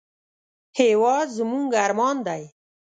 هېواد زموږ ارمان دی